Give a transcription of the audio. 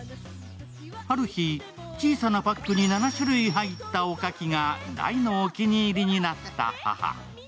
ある日、小さなパックに７種類に入ったおかきが大のお気に入りになった母。